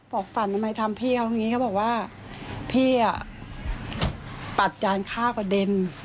ฝันทำไมทำพี่เขาอย่างนี้เขาบอกว่าพี่อ่ะปัดจานฆ่ากระเด็น